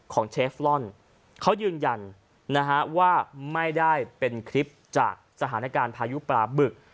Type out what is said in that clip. เชฟลอนเขายืนยันนะฮะว่าไม่ได้เป็นคลิปจากสถานการณ์พายุปลาบึก